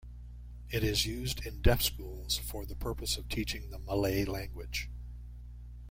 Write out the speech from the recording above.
It is used in Deaf schools for the purpose of teaching the Malay language.